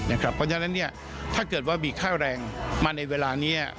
เพราะฉะนั้นถ้าเกิดว่ามีค่าแรงมาในเวลานี้